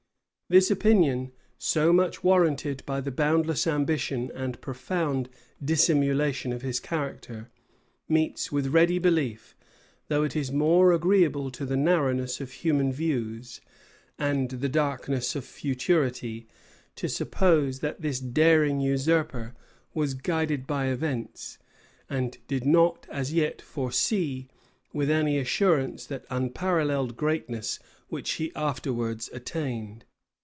This opinion, so much warranted by the boundless ambition and profound dissimulation of his character, meets with ready belief; though it is more agreeable to the narrowness of human views, and the darkness of futurity, to suppose that this daring usurper was guided by events, and did not as yet foresee, with any assurance, that unparalleled greatness which he afterwards attained.